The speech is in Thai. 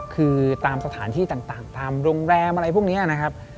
คือตามสถานที่ต่างตามโรงแรมอะไรพวกนี้นะครับ